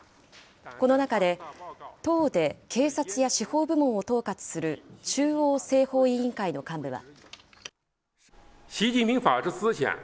この中で、党で警察や司法部門を統括する、中央政法委員会の幹部は。